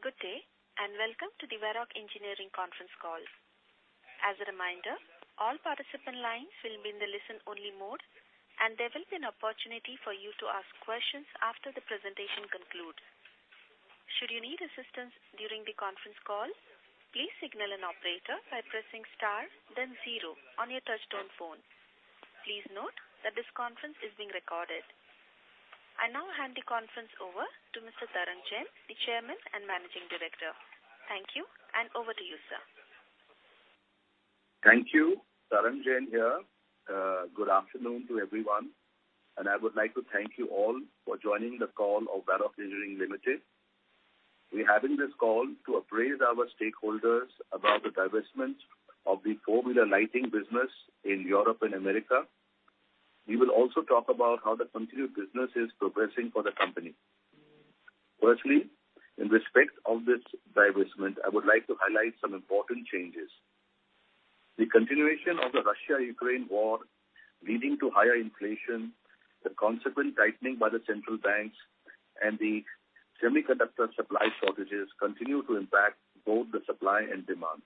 Good day, and welcome to the Varroc Engineering Conference Call. As a reminder, all participant lines will be in the listen-only mode, and there will be an opportunity for you to ask questions after the presentation concludes. Should you need assistance during the conference call, please signal an operator by pressing star then zero on your touch-tone phone. Please note that this conference is being recorded. I now hand the conference over to Mr. Tarang Jain, the Chairman and Managing Director. Thank you, and over to you, sir. Thank you. Tarang Jain here. Good afternoon to everyone, and I would like to thank you all for joining the call of Varroc Engineering Limited. We're having this call to apprise our stakeholders about the divestment of the four-wheeler lighting business in Europe and America. We will also talk about how the continued business is progressing for the company. First, in respect of this divestment, I would like to highlight some important changes. The continuation of the Russia-Ukraine war leading to higher inflation, the consequent tightening by the central banks, and the semiconductor supply shortages continue to impact both the supply and demand.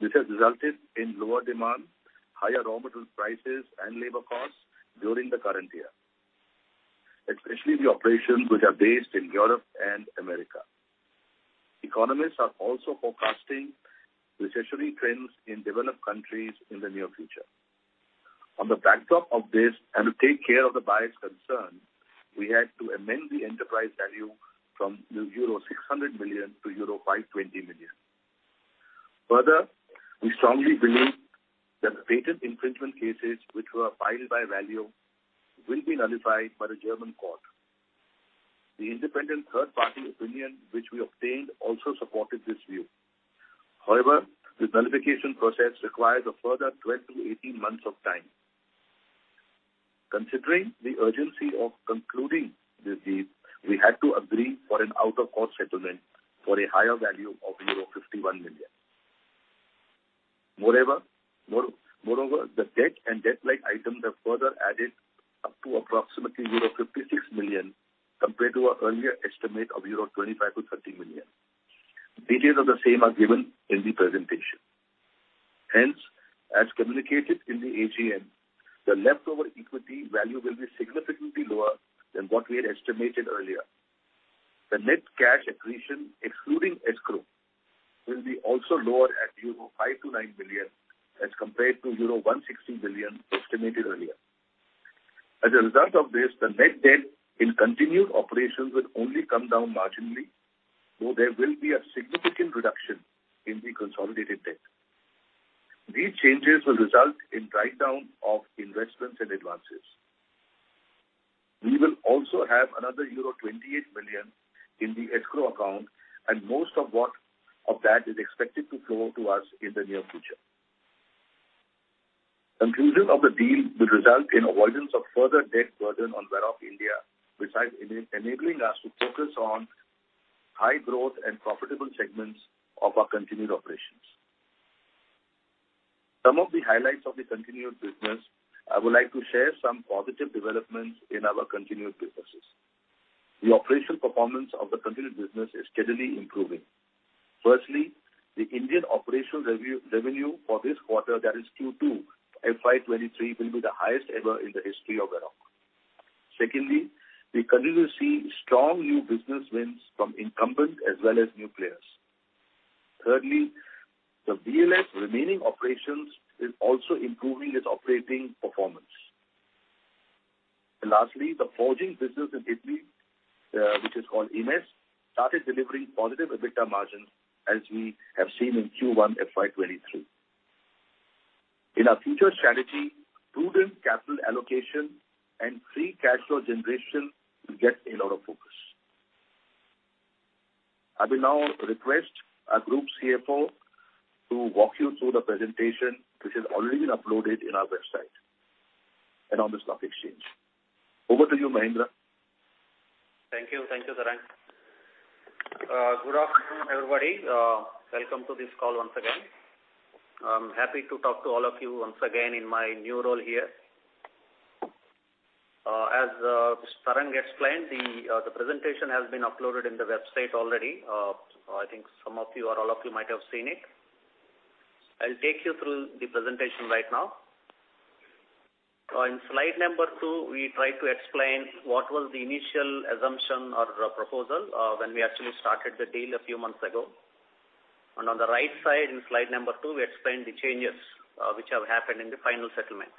This has resulted in lower demand, higher raw material prices and labor costs during the current year, especially the operations which are based in Europe and America. Economists are also forecasting recessionary trends in developed countries in the near future. On the backdrop of this and to take care of the buyer's concern, we had to amend the enterprise value from euro 600 million to euro 520 million. Further, we strongly believe that the patent infringement cases which were filed by Valeo will be nullified by the German court. The independent third-party opinion which we obtained also supported this view. However, this nullification process requires a further 12 to 18 months of time. Considering the urgency of concluding this deal, we had to agree for an out-of-court settlement for a higher value of euro 51 million. Moreover, the debt and debt-like items have further added up to approximately euro 56 million, compared to our earlier estimate of euro 25 to 30 million. Details of the same are given in the presentation. Hence, as communicated in the AGM, the leftover equity value will be significantly lower than what we had estimated earlier. The net cash accretion, excluding escrow, will be also lower at EUR five to nine million, as compared to 160 million estimated earlier. As a result of this, the net debt in continued operations will only come down marginally, though there will be a significant reduction in the consolidated debt. These changes will result in write-down of investments and advances. We will also have another euro 28 million in the escrow account, and most of that is expected to flow to us in the near future. Conclusion of the deal will result in avoidance of further debt burden on Varroc India, besides enabling us to focus on high growth and profitable segments of our continued operations. Some of the highlights of the continued business I would like to share some positive developments in our continued businesses. The operational performance of the continued business is steadily improving. Firstly, the Indian operational revenue for this quarter, that is Q2 FY 2023, will be the highest ever in the history of Varroc. Secondly, we continue to see strong new business wins from incumbent as well as new players. Thirdly, the VLS remaining operations is also improving its operating performance. Lastly, the forging business in Italy, which is called I.M.E.S., started delivering positive EBITDA margins as we have seen in Q1 FY 2023. In our future strategy, prudent capital allocation and free cash flow generation will get a lot of focus. I will now request our group CFO to walk you through the presentation, which has already been uploaded in our website and on the stock exchange. Over to you, Mahendra. Thank you. Thank you, Tarang. Good afternoon, everybody. Welcome to this call once again. I'm happy to talk to all of you once again in my new role here. As Mr. Tarang explained, the presentation has been uploaded on the website already. I think some of you or all of you might have seen it. I'll take you through the presentation right now. On slide number two, we try to explain what was the initial assumption or proposal when we actually started the deal a few months ago. On the right side in slide number two, we explain the changes which have happened in the final settlement.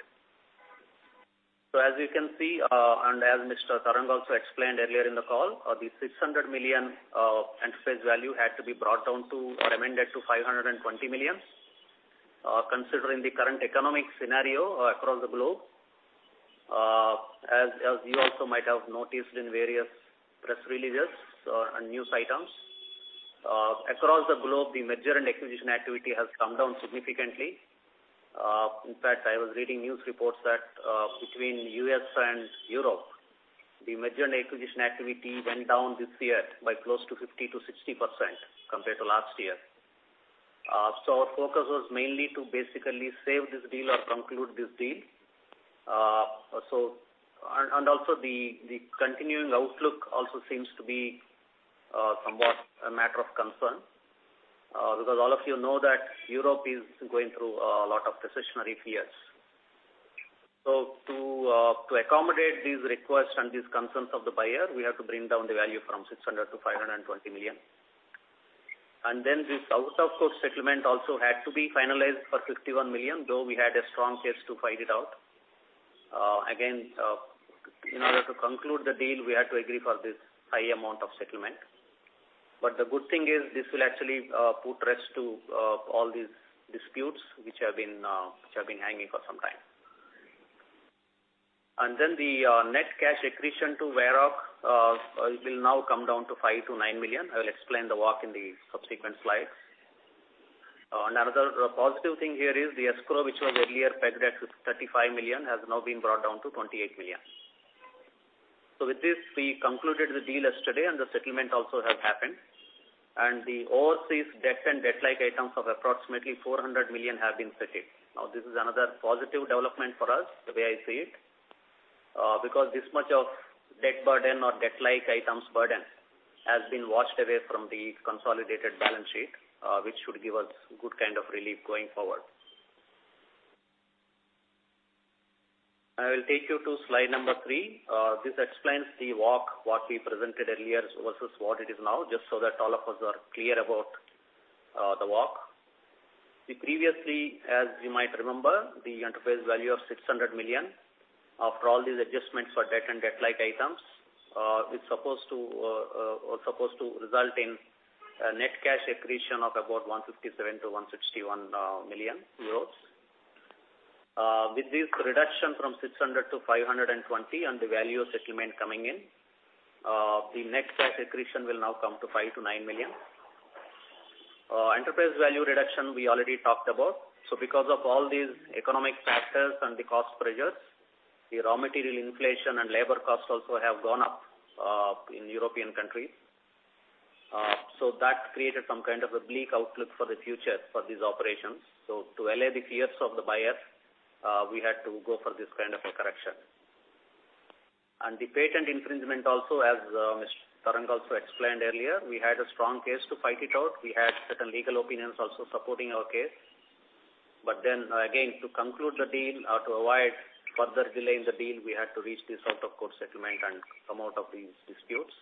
As you can see, and as Mr. Tarang also explained earlier in the call, the 600 million enterprise value had to be brought down to or amended to 520 million, considering the current economic scenario across the globe. As you also might have noticed in various press releases or on news items across the globe, the merger and acquisition activity has come down significantly. In fact, I was reading news reports that between U.S. and Europe, the merger and acquisition activity went down this year by close to 50% to 60% compared to last year. Our focus was mainly to basically save this deal or conclude this deal. The continuing outlook also seems to be somewhat a matter of concern because all of you know that Europe is going through a lot of recessionary fears. To accommodate these requests and these concerns of the buyer, we have to bring down the value from 600 million to 520 million. This out-of-court settlement also had to be finalized for 51 million, though we had a strong case to fight it out. In order to conclude the deal, we had to agree for this high amount of settlement. The good thing is this will actually put to rest all these disputes which have been hanging for some time. The net cash accretion to Varroc will now come down to 5 to 9 million. I will explain the walk in the subsequent slides. Another positive thing here is the escrow, which was earlier pegged at 35 million, has now been brought down to 28 million. With this, we concluded the deal yesterday and the settlement also has happened. The overseas debt and debt-like items of approximately 400 million have been settled. Now, this is another positive development for us, the way I see it, because this much of debt burden or debt-like items burden has been washed away from the consolidated balance sheet, which should give us good kind of relief going forward. I will take you to slide number 3. This explains the walk, what we presented earlier versus what it is now, just so that all of us are clear about, the walk. We previously, as you might remember, the enterprise value of 600 million, after all these adjustments for debt and debt-like items, is supposed to result in a net cash accretion of about 157 million-161 million euros. With this reduction from 600 to 520 million and the value of settlement coming in, the net cash accretion will now come to 5 to 9 million. Enterprise value reduction we already talked about. Because of all these economic factors and the cost pressures, the raw material inflation and labor costs also have gone up in European countries. That created some kind of a bleak outlook for the future for these operations. To allay the fears of the buyer, we had to go for this kind of a correction. The patent infringement also, as Mr. Tarang also explained earlier, we had a strong case to fight it out. We had certain legal opinions also supporting our case. Again, to conclude the deal or to avoid further delay in the deal, we had to reach this out-of-court settlement and come out of these disputes.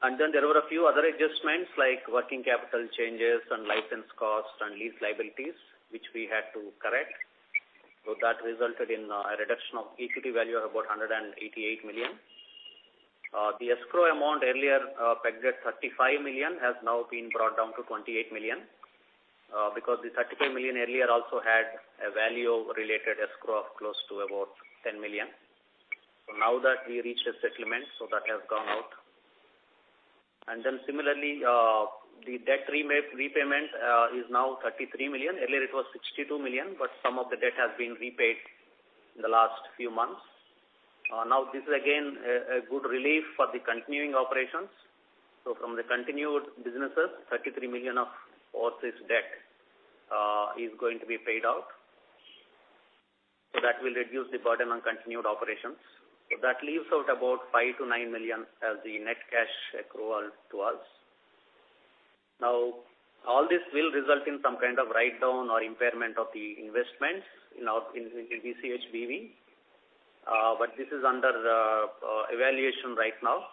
There were a few other adjustments, like working capital changes and license costs and lease liabilities, which we had to correct. That resulted in a reduction of equity value of about 188 million. The escrow amount earlier pegged at 35 million, has now been brought down to 28 million, because the 35 million earlier also had a value related escrow of close to about 10 million. Now that we reached a settlement, that has gone out. Similarly, the debt repayment is now 33 million. Earlier it was 62 million, but some of the debt has been repaid in the last few months. Now this is again a good relief for the continuing operations. From the continued businesses, 33 million of overseas debt is going to be paid out. That will reduce the burden on continued operations. That leaves out about 5 to 9 million as the net cash accrual to us. Now, all this will result in some kind of write down or impairment of the investments in our VCHBV. This is under evaluation right now.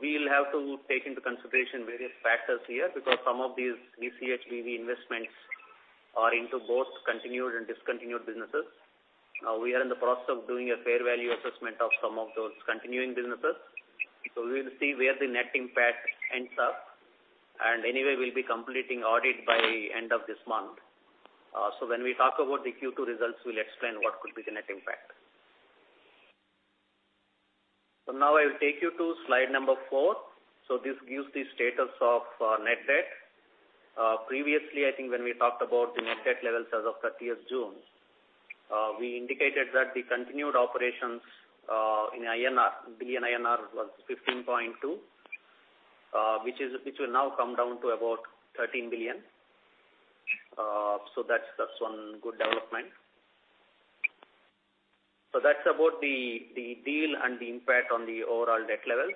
We'll have to take into consideration various factors here because some of these VCHBV investments are into both continued and discontinued businesses. We are in the process of doing a fair value assessment of some of those continuing businesses. We'll see where the net impact ends up. Anyway, we'll be completing audit by end of this month. When we talk about the Q2 results, we'll explain what could be the net impact. Now I will take you to slide number four. This gives the status of net debt. Previously, I think when we talked about the net debt levels as of 30th June, we indicated that the continued operations in INR billion was 15.2, which will now come down to about 13 billion. That's one good development. That's about the deal and the impact on the overall debt levels.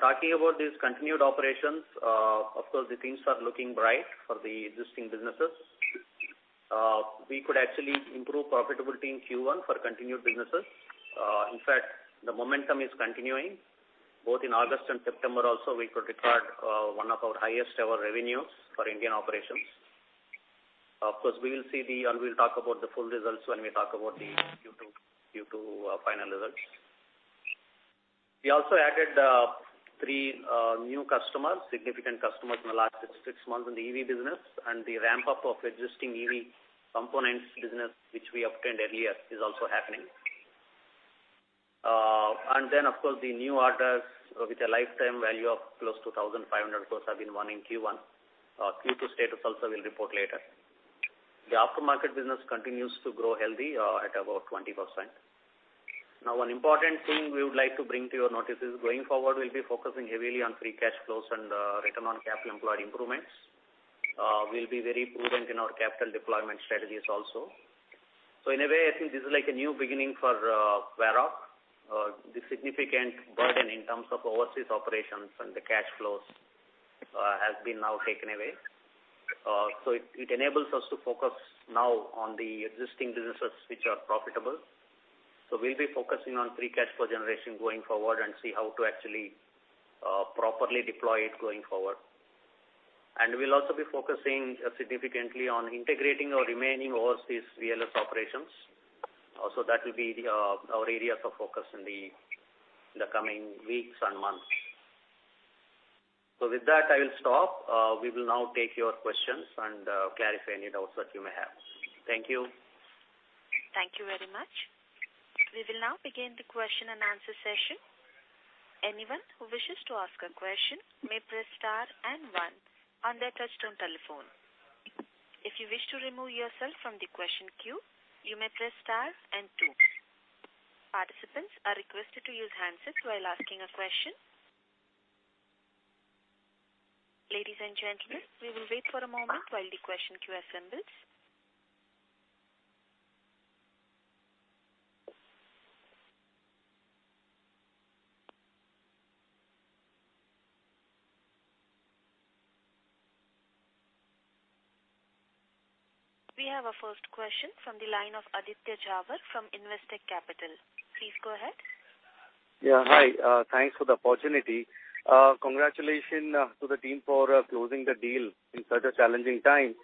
Talking about these continued operations, of course, the things are looking bright for the existing businesses. We could actually improve profitability in Q1 for continued businesses. In fact, the momentum is continuing. Both in August and September also we could record one of our highest ever revenues for Indian operations. Of course, we'll talk about the full results when we talk about the Q2 final results. We also added three new customers, significant customers in the last six months in the EV business. The ramp-up of existing EV components business, which we obtained earlier, is also happening. Then of course, the new orders with a lifetime value of close to 1,500 crores have been won in Q1. Q2 status also we'll report later. The aftermarket business continues to grow healthy, at about 20%. Now one important thing we would like to bring to your notice is going forward we'll be focusing heavily on free cash flows and return on capital employed improvements. We'll be very prudent in our capital deployment strategies also. In a way, I think this is like a new beginning for Varroc. The significant burden in terms of overseas operations and the cash flows has been now taken away. It enables us to focus now on the existing businesses which are profitable. We'll be focusing on free cash flow generation going forward and see how to actually properly deploy it going forward. We'll also be focusing significantly on integrating our remaining overseas VLS operations. Also that will be our areas of focus in the coming weeks and months. With that, I will stop. We will now take your questions and clarify any doubts that you may have. Thank you. Thank you very much. We will now begin the question and answer session. Anyone who wishes to ask a question may press star and one on their touchtone telephone. If you wish to remove yourself from the question queue, you may press star and two. Participants are requested to use handsets while asking a question. Ladies and gentlemen, we will wait for a moment while the question queue assembles. We have our first question from the line of Aditya Jhawar from Investec Capital. Please go ahead. Yeah, hi. Thanks for the opportunity. Congratulations to the team for closing the deal in such a challenging time.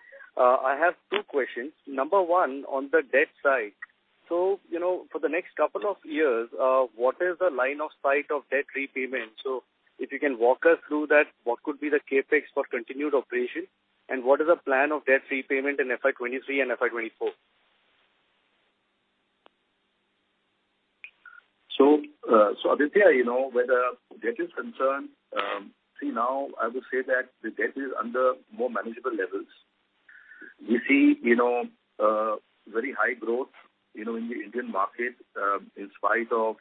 I have two questions. Number one, on the debt side. You know, for the next couple of years, what is the line of sight of debt repayment? If you can walk us through that, what could be the CapEx for continued operation, and what is the plan of debt repayment in FY 2023 and FY 2024? Aditya, you know, where the debt is concerned, see now I would say that the debt is under more manageable levels. We see, you know, very high growth, you know, in the Indian market, in spite of,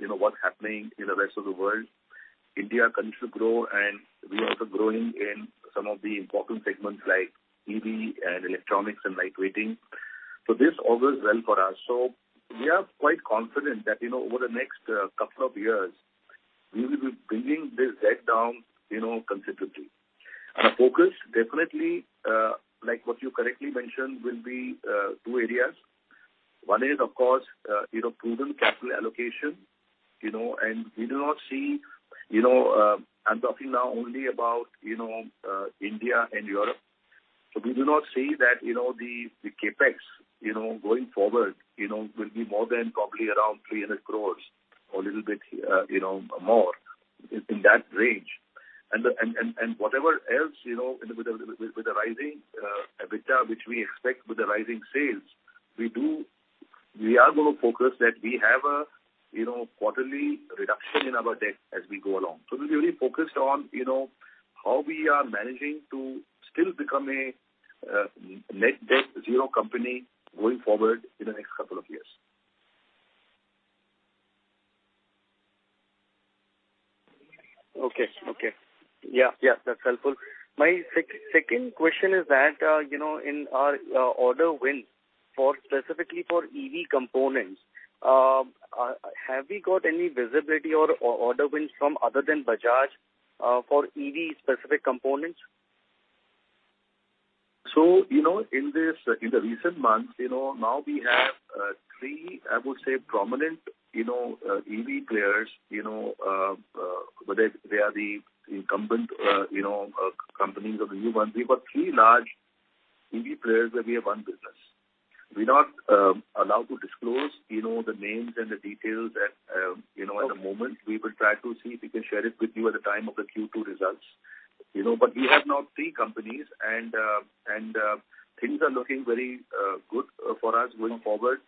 you know, what's happening in the rest of the world. India continues to grow, and we are also growing in some of the important segments like EV and electronics and lightweighting. This bodes well for us. We are quite confident that, you know, over the next couple of years we will be bringing this debt down, you know, considerably. Our focus definitely, like what you correctly mentioned, will be two areas. One is of course, you know, proven capital allocation, you know, and we do not see, you know, I'm talking now only about, you know, India and Europe. We do not see that, you know, the CapEx, you know, going forward, you know, will be more than probably around 300 crores or a little bit, you know, more, in that range. And whatever else, you know, with the rising EBITDA which we expect with the rising sales, we are gonna focus that we have a, you know, quarterly reduction in our debt as we go along. We'll be really focused on, you know, how we are managing to still become a net debt zero company going forward in the next couple of years. Okay. Yeah, that's helpful. My second question is that, you know, in our order wins for specifically for EV components, have we got any visibility or order wins from other than Bajaj, for EV specific components? You know, in this, in the recent months, you know, now we have three, I would say prominent, you know, EV players, you know, whether they are the incumbent, you know, companies or the new ones. We've got three large EV players where we have won business. We're not allowed to disclose, you know, the names and the details at, you know, at the moment. We will try to see if we can share it with you at the time of the Q2 results. You know, we have now three companies and things are looking very good for us going forward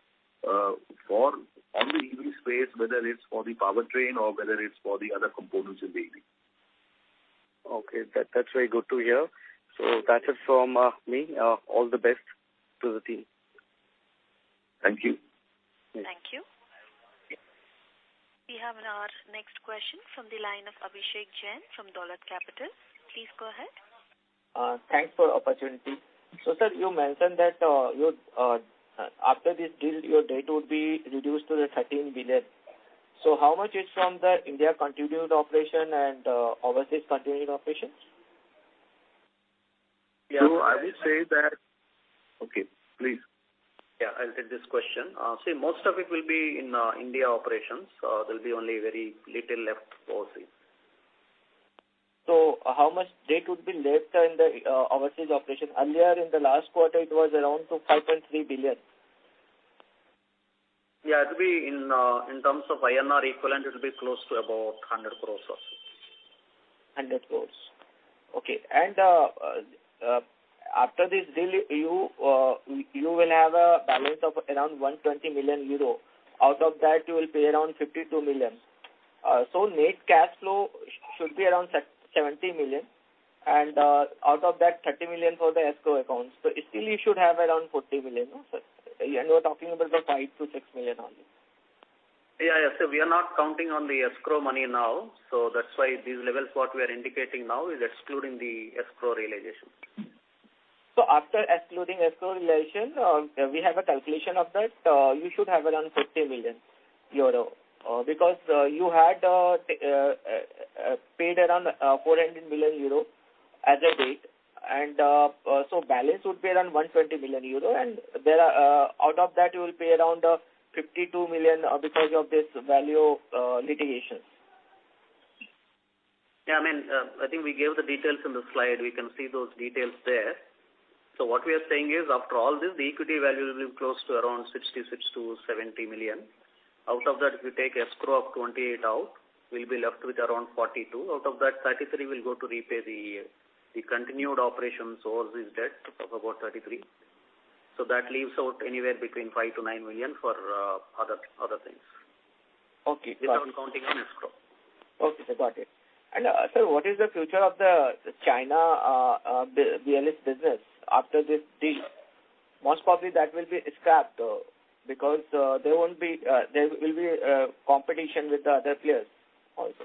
in the EV space, whether it's for the powertrain or whether it's for the other components in the EV. Okay. That's very good to hear. That's it from me. All the best to the team. Thank you. Thank you. We have our next question from the line of Abhishek Jain from Dolat Capital. Please go ahead. Thanks for opportunity. Sir, you mentioned that after this deal, your debt would be reduced to 13 billion. How much is from the Indian continued operations and overseas continued operations? Yeah, I will say that. I will say that. Okay, please. Yeah, I'll take this question. See, most of it will be in India operations. There'll be only very little left overseas. How much debt would be left in the overseas operation? Earlier in the last quarter it was around 2.53 billion. Yeah, it'll be in terms of INR equivalent, it'll be close to about 100 crores or so. 100 crores. Okay. After this deal, you will have a balance of around 120 million euro. Out of that, you will pay around 52 million. Net cash flow should be around 70 million, out of that 30 million for the escrow account. Still you should have around 40 million, no, sir? You are talking about the 5-6 million only. Yeah, yeah. We are not counting on the escrow money now, so that's why these levels what we are indicating now is excluding the escrow realization. After excluding escrow realization, we have a calculation of that. You should have around 50 million euro. Because you had paid around 400 million euro as advance and balance would be around 120 million euro, and thereafter out of that you will pay around 52 million because of this Valeo litigation. Yeah, I mean, I think we gave the details in the slide. We can see those details there. What we are saying is after all this, the equity value will be close to around 62 to 70 million. Out of that, if you take escrow of 28 out, we'll be left with around 42. Out of that, 33 will go to repay the continued operations or this debt of about 33. That leaves out anywhere between 5-9 million for other things. Okay, got it. Without counting on escrow. Okay, sir. Got it. Sir, what is the future of the China VLS business after this deal? Most probably that will be scrapped because there will be competition with the other players also.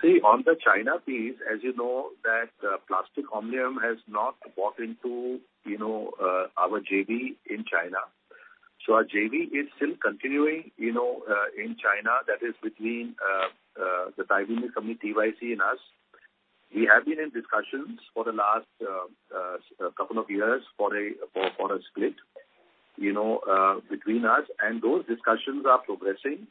See, on the China piece, as you know that, Plastic Omnium has not bought into, you know, our JV in China. Our JV is still continuing, you know, in China. That is between TYC and us. We have been in discussions for the last couple of years for a split, you know, between us, and those discussions are progressing.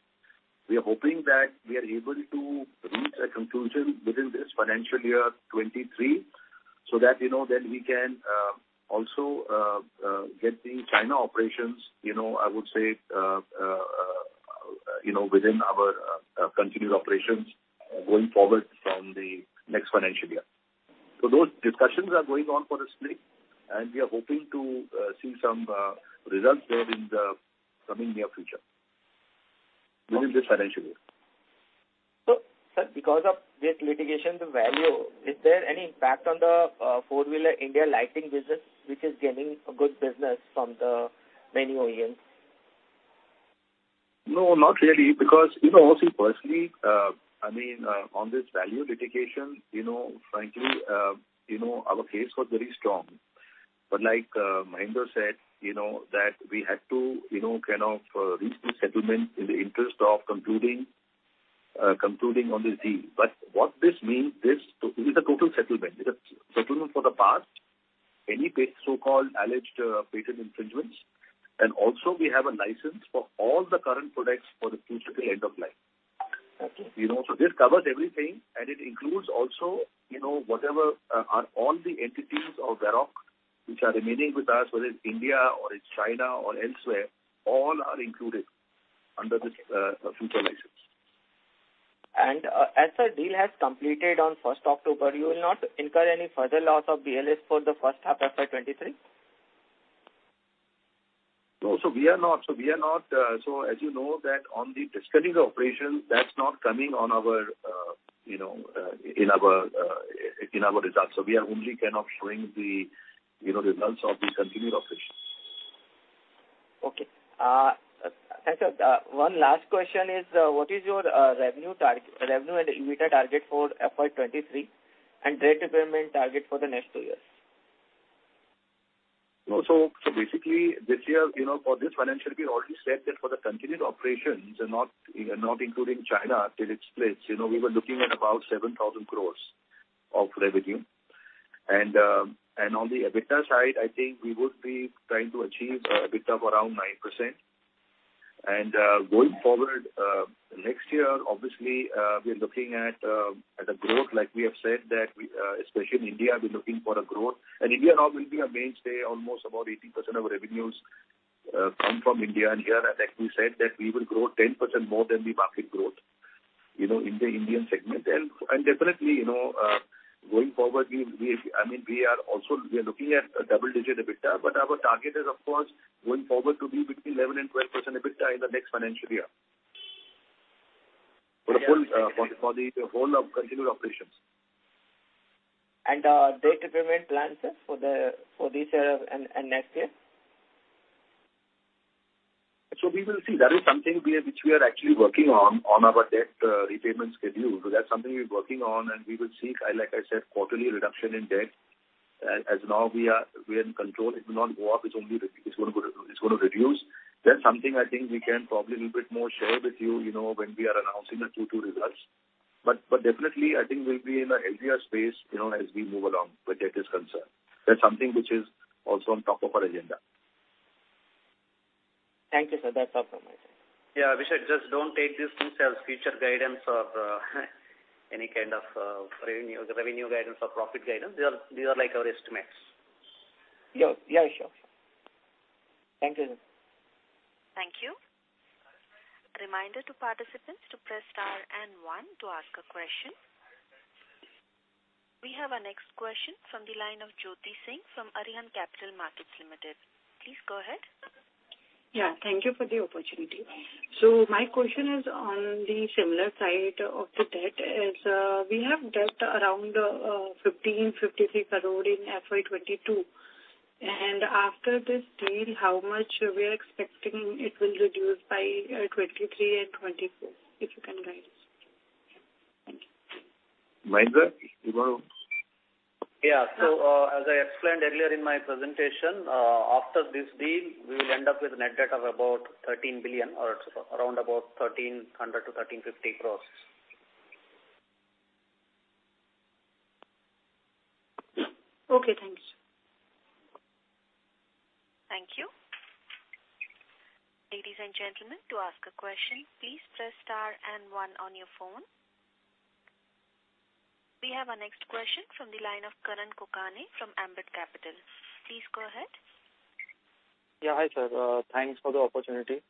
We are hoping that we are able to reach a conclusion within this financial year 2023, so that, you know, then we can also get the China operations, you know, I would say, within our continued operations going forward from the next financial year. Those discussions are going on for a split, and we are hoping to see some results there in the coming near future. Okay. Within this financial year. Sir, because of this litigation, the Valeo, is there any impact on the four-wheeler India lighting business, which is getting a good business from the many OEMs? No, not really, because, you know, also personally, I mean, on this Valeo litigation, you know, frankly, our case was very strong. Like, Mahendra said, you know, that we had to, you know, kind of, reach the settlement in the interest of concluding on this deal. What this means is this is a total settlement. It's a settlement for the past, any so-called alleged patent infringements, and also we have a license for all the current products for the future till end of life. Okay. You know, this covers everything, and it includes also, you know, whatever are all the entities of Varroc which are remaining with us, whether it's India or it's China or elsewhere, all are included under this, future license. As the deal has completed on 1st October, you will not incur any further loss of VLS for the first half FY 2023? No. We are not. As you know that on the discontinued operation, that's not coming on our, you know, in our results. We are only kind of showing the, you know, results of the continued operations. Okay. Sir, one last question is, what is your revenue and EBITDA target for FY 2023 and debt repayment target for the next two years? No, basically this year, you know, for this financial year, we already said that for the continued operations and not including China till it splits, you know, we were looking at about 7,000 crores of revenue. On the EBITDA side, I think we would be trying to achieve an EBITDA of around 9%. Going forward, next year, obviously, we are looking at a growth like we have said that we, especially in India, we're looking for a growth. India now will be a mainstay. Almost about 80% of our revenues come from India. Here, like we said, that we will grow 10% more than the market growth, you know, in the Indian segment. Definitely, you know, going forward, I mean, we are also looking at a double-digit EBITDA, but our target is of course going forward to be between 11% and 12% EBITDA in the next financial year. Yeah. For the whole of continuing operations. Debt repayment plan, sir, for this year and next year? We will see. That is something we are actually working on our debt repayment schedule. That's something we're working on, and we will see, like I said, quarterly reduction in debt. As now we are in control. It will not go up. It's only gonna reduce. That's something I think we can probably a little bit more share with you know, when we are announcing the Q2 results. But definitely I think we'll be in a healthier space, you know, as we move along where debt is concerned. That's something which is also on top of our agenda. Thank you, sir. That's all from my side. Yeah. Vishal, just don't take these things as future guidance or any kind of revenue guidance or profit guidance. These are like our estimates. Yeah. Yeah, sure. Thank you, sir. Thank you. Reminder to participants to press star and one to ask a question. We have our next question from the line of Jyoti Singh from Arihant Capital Markets Limited. Please go ahead. Thank you for the opportunity. My question is on the similar side of the debt is, we have debt around 1,556 crore in FY 2022. After this deal, how much we are expecting it will reduce by 2023 and 2024, if you can guide us. Thank you. Mahendra, you want to. As I explained earlier in my presentation, after this deal, we will end up with a net debt of about 13 billion or around about 1,300-1,350 crores. Okay. Thanks. Thank you. Ladies and gentlemen, to ask a question, please press star and one on your phone. We have our next question from the line of Karan Kokane from Ambit Capital. Please go ahead. Yeah. Hi, sir. Thanks for the opportunity.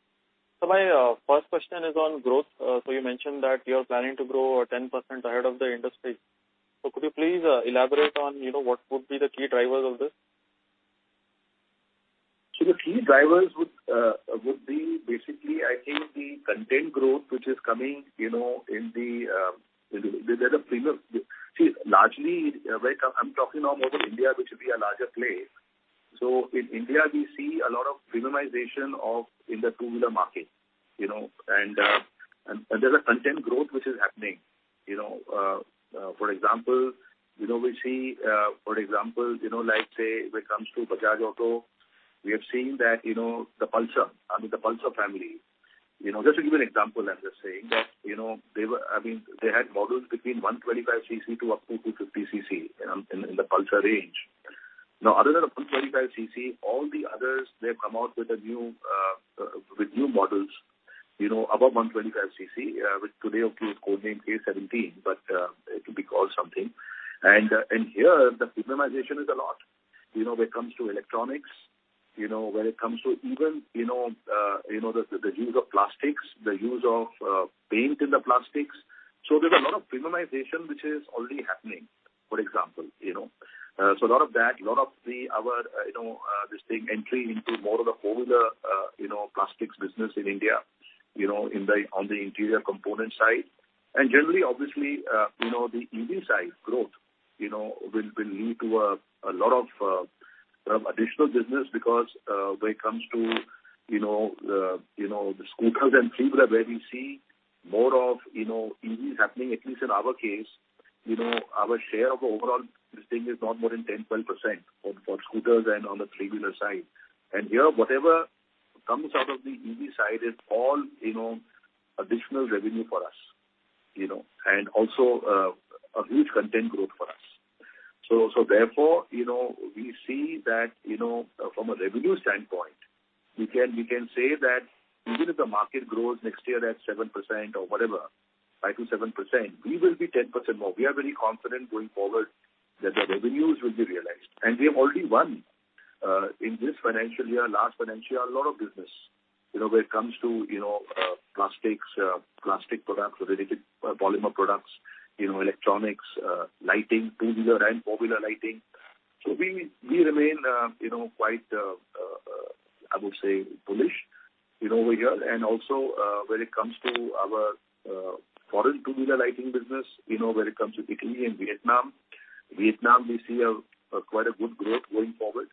My first question is on growth. You mentioned that you are planning to grow 10% ahead of the industry. Could you please elaborate on, you know, what would be the key drivers of this? The key drivers would be basically, I think, the content growth which is coming, you know, in the premium. Largely, when I'm talking now more about India, which will be a larger play. In India, we see a lot of premiumization in the two-wheeler market, you know. And there's content growth which is happening, you know. For example, you know, we see, for example, you know, like say when it comes to Bajaj Auto, we have seen that, you know, the Pulsar, I mean, the Pulsar family, you know. Just to give you an example, I'm just saying that, you know, they had models between 125 cc to up to 250 cc in the Pulsar range. Now, other than the 125 cc, all the others, they've come out with new models, you know, above 125 cc, which today it's code-named K17, but it will be called something. Here the premiumization is a lot. You know, when it comes to electronics, you know, when it comes to even the use of plastics, the use of paint in the plastics. There's a lot of premiumization which is already happening, for example, you know. A lot of that, a lot of our entry into more of the older plastics business in India, you know, on the interior component side. Generally, obviously, you know, the EV side growth, you know, will lead to a lot of additional business because when it comes to, you know, the scooters and three-wheeler where we see more of, you know, EVs happening, at least in our case. You know, our share of overall this thing is not more than 10, 12% for scooters and on the three-wheeler side. Here, whatever comes out of the EV side is all, you know, additional revenue for us, you know. Also, a huge content growth for us. Therefore, you know, we see that, you know, from a revenue standpoint, we can say that even if the market grows next year at 7% or whatever, 5% to 7%, we will be 10% more. We are very confident going forward that the revenues will be realized. We have already won in this financial year, last financial year, a lot of business. You know, when it comes to, you know, plastics, plastic products or related polymer products, you know, electronics, lighting, two-wheeler and four-wheeler lighting. We remain quite, I would say bullish, you know, over here. Also, when it comes to our foreign two-wheeler lighting business, you know, when it comes to Italy and Vietnam. Vietnam, we see a quite a good growth going forward.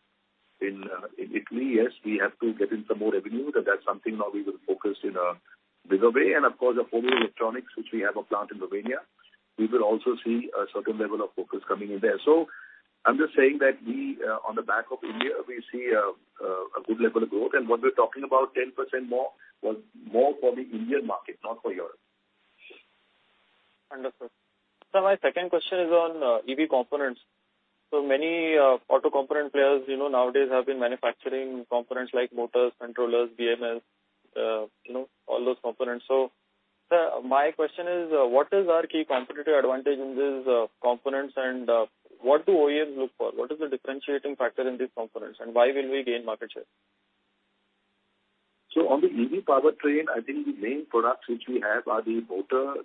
In Italy, yes, we have to get in some more revenue. That's something now we will focus in a bigger way. Of course, our four-wheeler electronics, which we have a plant in Slovenia, we will also see a certain level of focus coming in there. I'm just saying that we on the back of India, we see a good level of growth. When we're talking about 10% more, is more for the Indian market, not for Europe. Understood. My second question is on EV components. Many auto component players, you know, nowadays have been manufacturing components like motors, controllers, BMS, you know, all those components. Sir, my question is, what is our key competitive advantage in these components? And what do OEMs look for? What is the differentiating factor in these components, and why will we gain market share? On the EV powertrain, I think the main products which we have are the motor,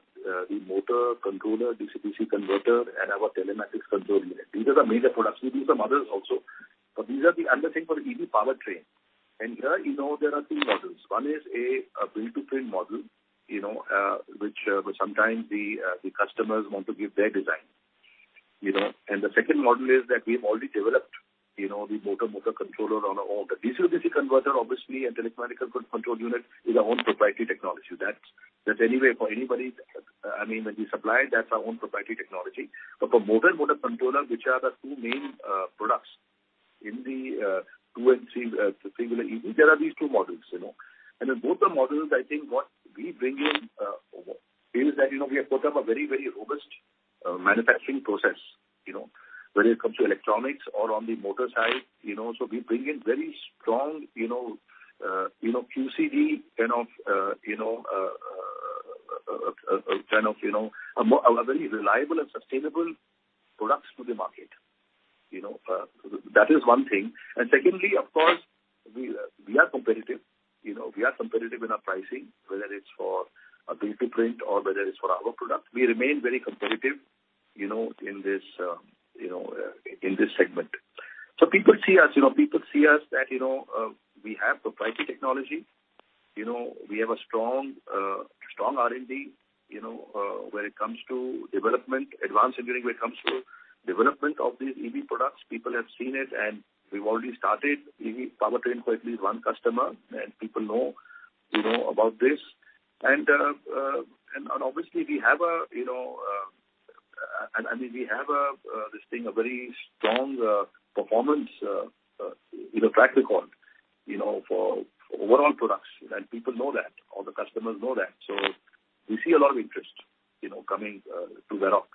the motor controller, DC/DC converter, and our telematics control unit. These are the major products. These are models also. I'm just saying for the EV powertrain. Here, you know, there are two models. One is a build-to-print model, you know, which sometimes the customers want to give their design, you know. The second model is that we've already developed, you know, the motor controller on our own. The DC/DC converter, obviously, and telematics control unit is our own proprietary technology. That's anyway for anybody, I mean, when we supply, that's our own proprietary technology. For motor controller, which are the two main products in the two- and three-wheeler EV, there are these two models, you know. In both the models, I think what we bring in is that, you know, we have put up a very robust manufacturing process, you know. Whether it comes to electronics or on the motor side, you know. We bring in very strong QCD kind of a very reliable and sustainable products. You know, that is one thing. Secondly, of course, we are competitive, you know, we are competitive in our pricing, whether it's for a build-to-print or whether it's for our product. We remain very competitive, you know, in this segment. People see us that we have proprietary technology. You know, we have a strong R&D when it comes to development, advanced engineering when it comes to development of these EV products. People have seen it, and we've already started EV powertrain for at least one customer, and people know, you know, about this. And obviously we have a, you know, I mean, we have a this thing, a very strong performance track record, you know, for overall products. And people know that, all the customers know that. We see a lot of interest, you know, coming to Varroc.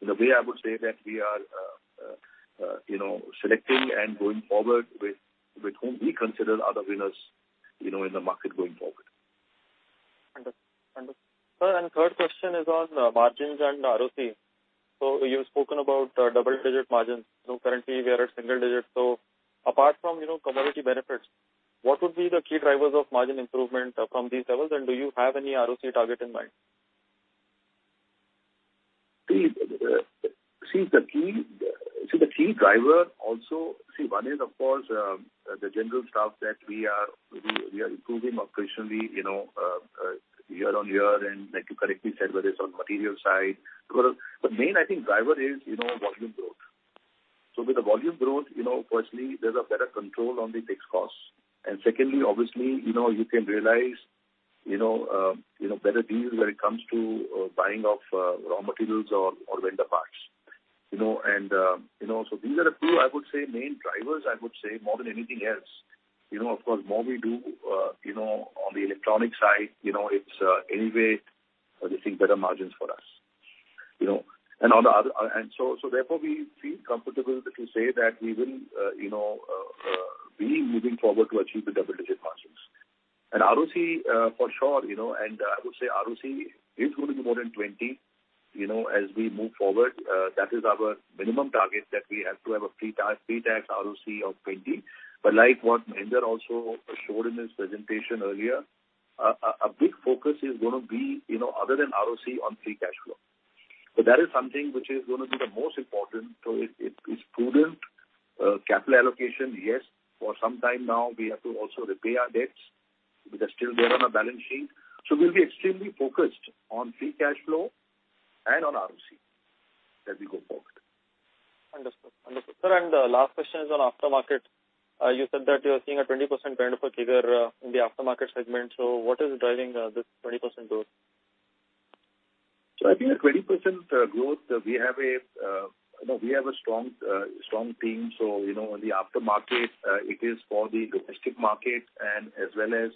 In a way, I would say that we are, you know, selecting and going forward with whom we consider are the winners, you know, in the market going forward. Understood. Sir, third question is on margins and ROC. You've spoken about double-digit margins. Currently we are at single digits. Apart from, you know, commodity benefits, what would be the key drivers of margin improvement from these levels? And do you have any ROC target in mind? The key driver also, one is of course the general stuff that we are improving operationally, you know, year-on-year, and like you correctly said, whether it's on the material side. Main driver is, you know, volume growth. With the volume growth, you know, firstly there's a better control on the fixed costs. Secondly, obviously, you know, you can realize, you know, better deals when it comes to buying of raw materials or vendor parts. You know, so these are a few, I would say, main drivers, I would say more than anything else. You know, of course, more we do on the electronic side, you know, it's anyway, I think better margins for us, you know. We feel comfortable to say that we will, you know, be moving forward to achieve the double-digit margins. ROC for sure, you know, and I would say ROC is going to be more than 20, you know, as we move forward. That is our minimum target, that we have to have a pre-tax ROC of 20. But like what Mahendra also showed in his presentation earlier, a big focus is gonna be, you know, other than ROC on free cash flow. So that is something which is gonna be the most important. So it's prudent capital allocation, yes. For some time now we have to also repay our debts because they're still there on our balance sheet. We'll be extremely focused on free cash flow and on ROC as we go forward. Understood. Sir, the last question is on aftermarket. You said that you're seeing a 20% run rate figure in the aftermarket segment. What is driving this 20% growth? I think the 20% growth, we have a you know, we have a strong team. You know, in the aftermarket, it is for the domestic market and as well as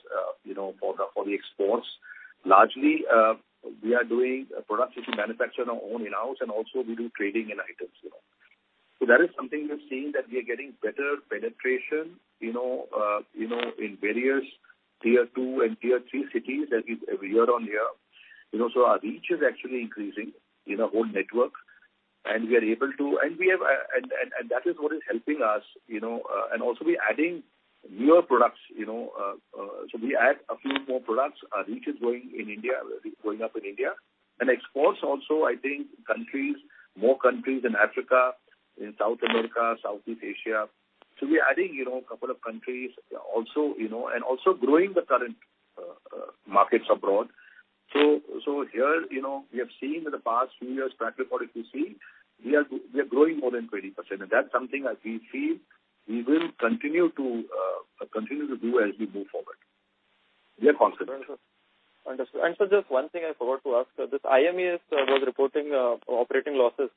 you know, for the exports. Largely, we are doing products which we manufacture on our own in-house, and also we do trading in items, you know. That is something we're seeing, that we are getting better penetration, you know, in various tier two and tier three cities that is every year-over-year. You know, our reach is actually increasing in our own network. We are able to. We have, and that is what is helping us, you know, and also we're adding newer products, you know. We add a few more products. Our reach is growing in India, growing up in India. Exports also, I think countries, more countries in Africa, in South America, Southeast Asia. We are adding, you know, a couple of countries also, you know, and also growing the current markets abroad. Here, you know, we have seen in the past few years track record, if you see, we are growing more than 20%. That's something that we feel we will continue to do as we move forward. We are confident. Understood. Sir, just one thing I forgot to ask. This I.M.E.S. was reporting operating losses,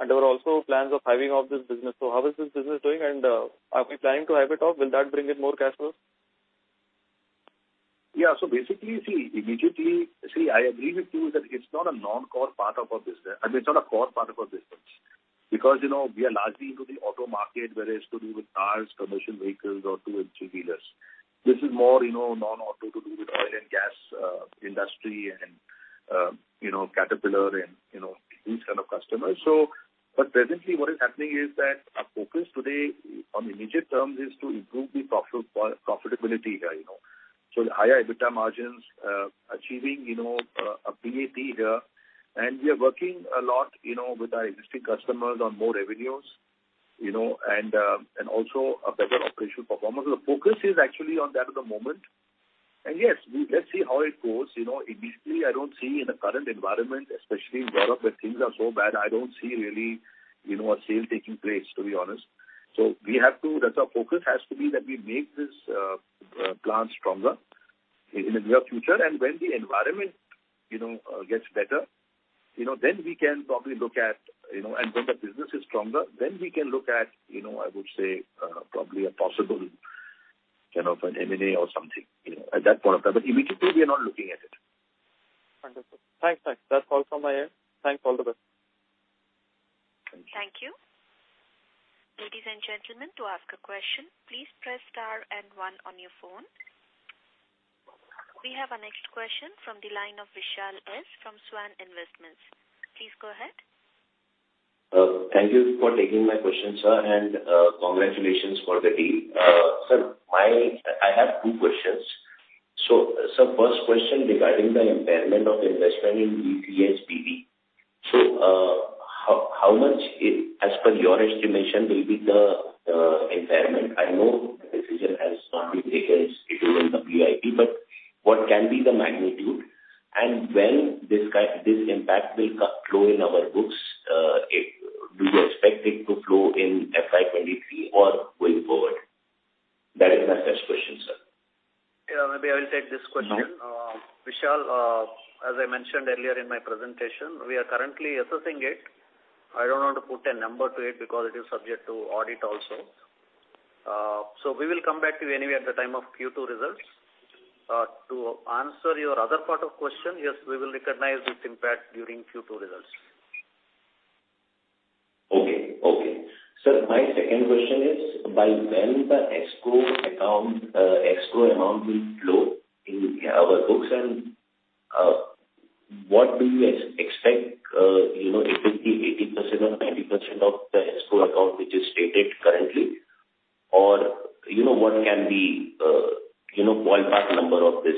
and there were also plans of hiving off this business. How is this business doing? Are we planning to hive it off? Will that bring in more cash flows? Yeah. Basically, immediately, I agree with you that it's not a non-core part of our business. I mean, it's not a core part of our business. Because, you know, we are largely into the auto market, whether it's to do with cars, commercial vehicles or two and three-wheelers. This is more, you know, non-auto to do with oil and gas, industry and, you know, Caterpillar and, you know, these kind of customers. But presently what is happening is that our focus today on immediate terms is to improve the profitability here, you know. The higher EBITDA margins, achieving, you know, a PAT here. We are working a lot, you know, with our existing customers on more revenues, you know, and also a better operational performance. The focus is actually on that at the moment. Yes, let's see how it goes. You know, immediately I don't see in the current environment, especially in Varroc, where things are so bad. I don't see really, you know, a sale taking place, to be honest. So we have to. That's our focus has to be that we make this plant stronger in the near future. When the environment, you know, gets better, you know, then we can probably look at, you know, and when the business is stronger, then we can look at, you know, I would say, probably a possible, you know, an M&A or something, you know, at that point of time. But immediately we are not looking at it. Understood. Thanks. That's all from my end. Thanks. All the best. Thank you. Thank you. Ladies and gentlemen, to ask a question, please press star and one on your phone. We have our next question from the line of Vishal S from Swan Investments. Please go ahead. Thank you for taking my question, sir, and congratulations for the deal. Sir, I have two questions. Sir, first question regarding the impairment of investment in VCHBV. How much is, as per your estimation, will be the impairment? I know the decision has not been taken yet in WIP, but what can be the magnitude, and when this impact will flow in our books? Do you expect it to flow in FY 2023 or going forward? That is my first question, sir. Yeah, maybe I will take this question. No. Vishal, as I mentioned earlier in my presentation, we are currently assessing it. I don't want to put a number to it because it is subject to audit also. We will come back to you anyway at the time of Q2 results. To answer your other part of question, yes, we will recognize this impact during Q2 results. Sir, my second question is, by when the escrow account, escrow amount will flow in our books, and what do you expect, you know, it will be 80% or 90% of the escrow account which is stated currently? Or, you know, what can be ballpark number of this,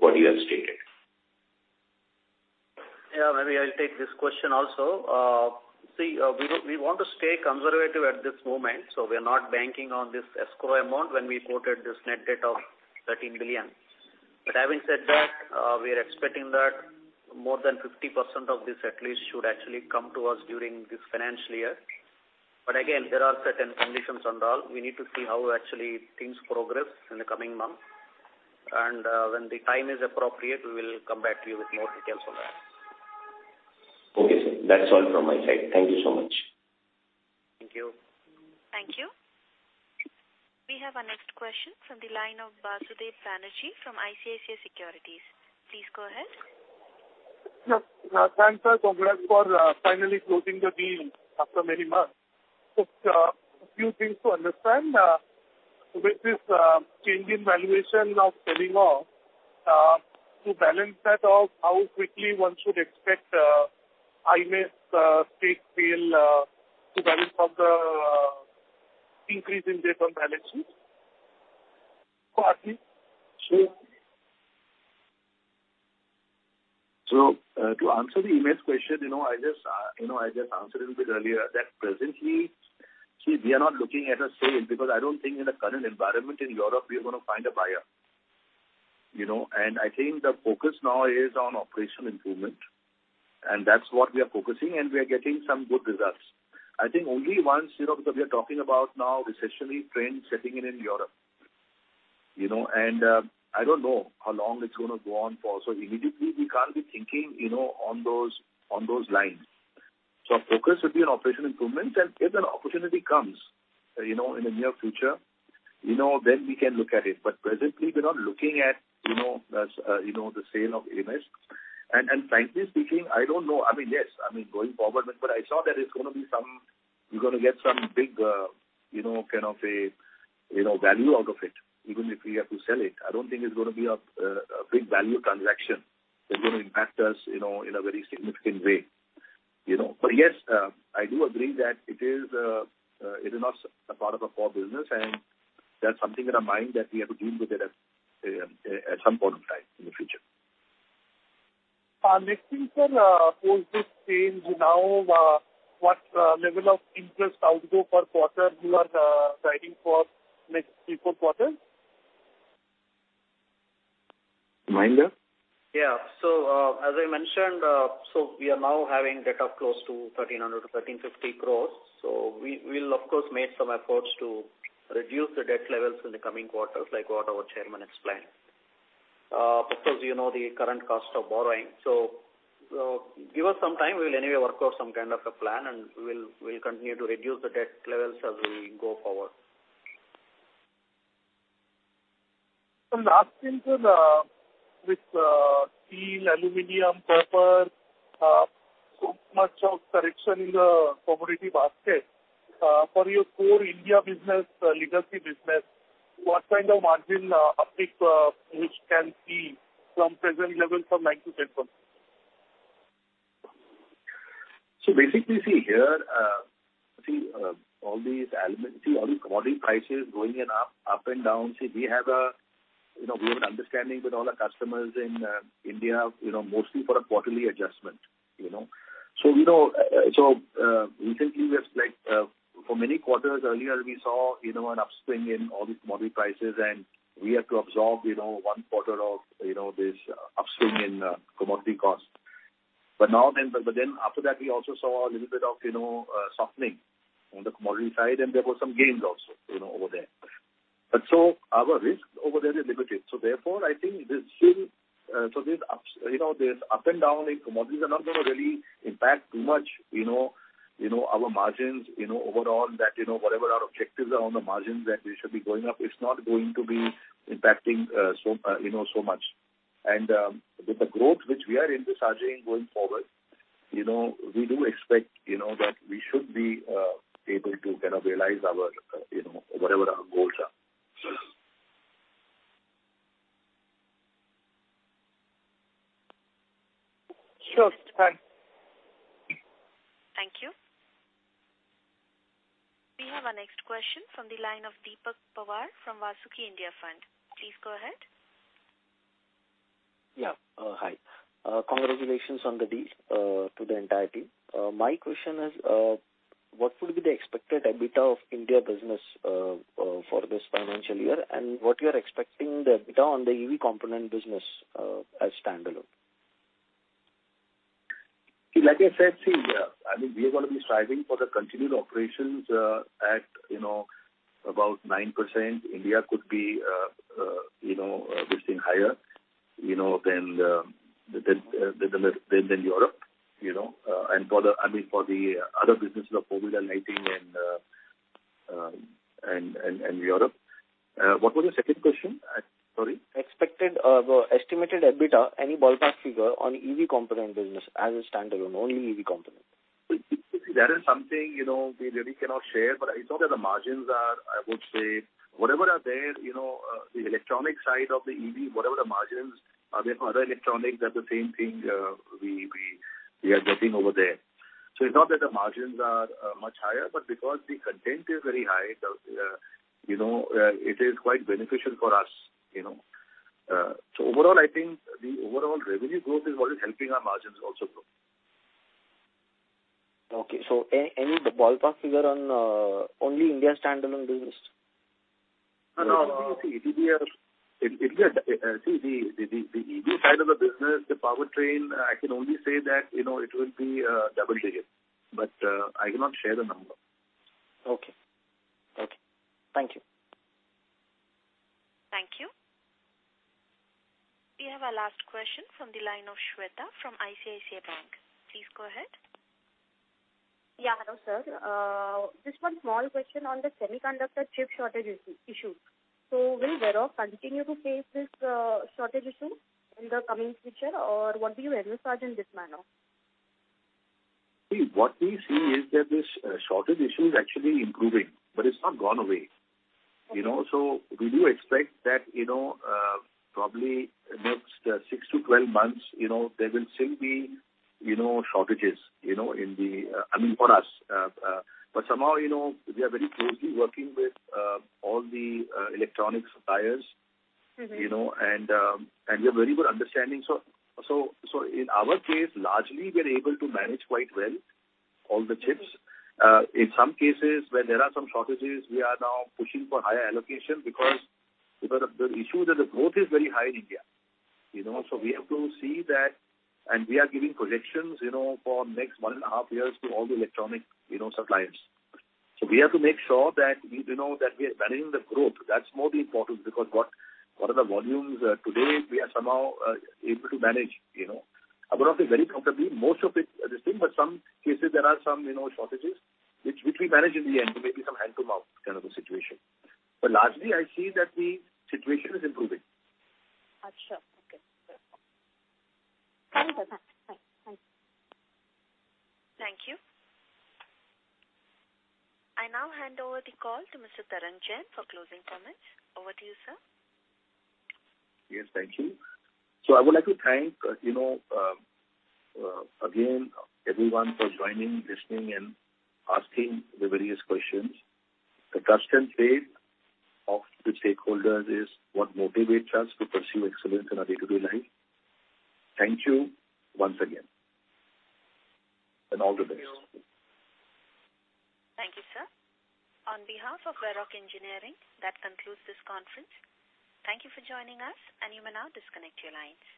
what you have stated? Yeah, maybe I'll take this question also. See, we want to stay conservative at this moment, so we are not banking on this escrow amount when we quoted this net debt of 13 billion. But having said that, we are expecting that more than 50% of this at least should actually come to us during this financial year. But again, there are certain conditions and all. We need to see how actually things progress in the coming months. When the time is appropriate, we will come back to you with more details on that. Okay, sir. That's all from my side. Thank you so much. Thank you. Thank you. We have our next question from the line of Basudeb Banerjee from ICICI Securities. Please go ahead. Yes. Thanks, sir. Congrats for finally closing the deal after many months. Just a few things to understand. With this change in valuation now selling off to balance that off, how quickly one should expect I.M.E.S. stake sale to balance off the increase in debt on balance sheet? For Arpi. To answer the I.M.E.S. question, you know, I just answered a bit earlier that presently, see, we are not looking at a sale because I don't think in the current environment in Europe we are gonna find a buyer. You know? I think the focus now is on operational improvement, and that's what we are focusing, and we are getting some good results. I think only once, you know, because we are talking about now recessionary trend setting in Europe, you know, and I don't know how long it's gonna go on for. Immediately we can't be thinking, you know, on those lines. Our focus would be on operational improvements, and if an opportunity comes, you know, in the near future, you know, then we can look at it. Presently we're not looking at, you know, the sale of I.M.E.S. Frankly speaking, I don't know. I mean, yes, going forward, you're gonna get some big, you know, kind of a, you know, value out of it, even if we have to sell it. I don't think it's gonna be a big value transaction that's gonna impact us, you know, in a very significant way. You know? Yes, I do agree that it is not a part of our core business, and that's something in our mind that we have to deal with it at some point in time in the future. Next thing, sir, post this change now, what level of interest outgo per quarter you are guiding for next three, four quarters? Mahendra? Yeah. As I mentioned, we are now having debt of close to 1,300 crore-1,350 crore. We'll of course make some efforts to reduce the debt levels in the coming quarters, like what our chairman explained. Because you know the current cost of borrowing. Give us some time. We'll anyway work out some kind of a plan and we'll continue to reduce the debt levels as we go forward. Last thing, sir, with steel, aluminum, copper, so much of correction in the commodity basket, for your core India business, legacy business, what kind of margin uptick we can see from present levels from nine to 12 months? Basically, all these elements, all these commodity prices going up and down. We have an understanding with all our customers in India, you know, mostly for a quarterly adjustment, you know? You know, recently, like, for many quarters earlier we saw, you know, an upswing in all these commodity prices, and we had to absorb, you know, one quarter of, you know, this upswing in commodity costs. After that we also saw a little bit of, you know, softening on the commodity side and there were some gains also, you know, over there. Our risk over there is limited. I think this up and down in commodities are not gonna really impact too much, you know, our margins, you know, overall that, you know, whatever our objectives are on the margins that they should be going up. It's not going to be impacting so much. With the growth which we are envisaging going forward, you know, we do expect, you know, that we should be able to kind of realize our, you know, whatever our goals are. Sure. Thank you. Thank you. We have our next question from the line of Deepak Pawar from Vasuki India Fund. Please go ahead. Hi. Congratulations on the deal to the entire team. My question is, what would be the expected EBITDA of India business for this financial year? What you are expecting the EBITDA on the EV component business as standalone? Like I said, I mean, we are gonna be striving for the continued operations at, you know, about 9%. India could be, you know, listing higher, you know, than Europe, you know. I mean, for the other businesses of polymer and lighting and Europe. What was the second question? Sorry. Expected estimated EBITDA, any ballpark figure on EV component business as a standalone, only EV component? See, that is something, you know, we really cannot share, but it's not that the margins are, I would say. Whatever are there, you know, the electronic side of the EV, whatever the margins are, there for other electronics are the same thing, we are getting over there. It's not that the margins are much higher, but because the content is very high, you know, it is quite beneficial for us, you know. Overall, I think the overall revenue growth is what is helping our margins also grow. Any ballpark figure on only India standalone business? No, no. See the EV side of the business, the powertrain. I can only say that, you know, it will be double digits, but I cannot share the number. Okay. Okay. Thank you. Thank you. We have our last question from the line of Shweta from ICICI Bank. Please go ahead. Yeah. Hello, sir. Just one small question on the semiconductor chip shortages issue. Will Varroc continue to face this shortage issue in the coming future, or what do you envisage in this manner? See, what we see is that this shortage issue is actually improving, but it's not gone away. You know? We do expect that, you know, probably next six to 12 months, you know, there will still be, you know, shortages, you know, in the, I mean, for us. Somehow, you know, we are very closely working with all the electronic suppliers. We have very good understanding. In our case, largely, we are able to manage quite well all the chips. In some cases where there are some shortages, we are now pushing for higher allocation because of the issue that the growth is very high in India. You know? We have to see that, and we are giving projections, you know, for next one and a half years to all the electronic suppliers. We have to make sure that we, you know, that we are balancing the growth. That's more the important because what are the volumes, today we are somehow able to manage, you know, about it very comfortably. Most of it are the same, but some cases there are some, you know, shortages which we manage in the end. Maybe some hand-to-mouth kind of a situation. Largely, I see that the situation is improving. Sure. Okay. Thank you, sir. Thanks. Thanks. Thank you. I now hand over the call to Mr. Tarang Jain for closing comments. Over to you, sir. Yes, thank you. I would like to thank, you know, again, everyone for joining, listening, and asking the various questions. The trust and faith of the stakeholders is what motivates us to pursue excellence in our day-to-day life. Thank you once again, and all the best. Thank you, sir. On behalf of Varroc Engineering, that concludes this conference. Thank you for joining us, and you may now disconnect your lines.